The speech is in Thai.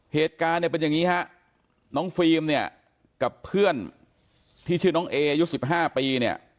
เหตุการณ์เป็นอย่างนี้น้องฟีล์มกับเพื่อนที่ชื่อน้องเออายุ๑๕ปี